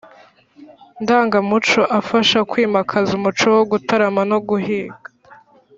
ndangamuco afasha kwimakaza umuco wo gutarama no guhiga